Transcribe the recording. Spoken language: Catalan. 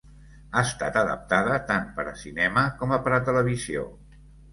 Ha estat adaptada tant per a cinema com per a televisió.